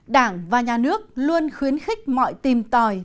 đảng và nhà nước luôn khuyến khích mọi tìm tòi